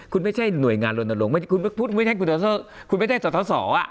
คุณไม่ใช่หน่วยงานโรนโรงไม่คุณไม่คุณไม่ใช่คุณคุณไม่ใช่สอสอสออ่ะ